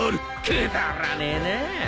くだらねえなあ。